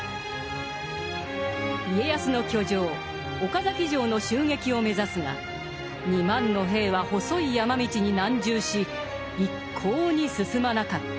家康の居城・岡崎城の襲撃を目指すが２万の兵は細い山道に難渋し一向に進まなかった。